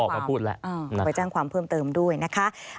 ก็ไปแจ้งความเพิ่มเติมด้วยนะคะ